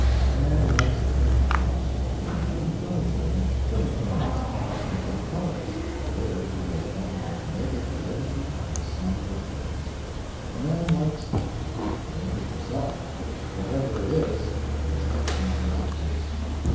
A man likes a pretty house, and pretty furniture, and pretty things, and pretty colors there he has nothing but naked aridity and sombre colors. A man likes name it yourself: whatever it is, it is absent from that place.